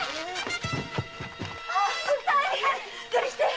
しっかりして！